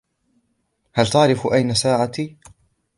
هل تعرف أين ساعتي؟